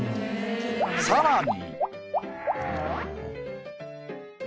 さらに。